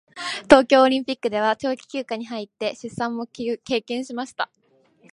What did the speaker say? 東京オリンピックでは長期休養に入って出産も経験しました。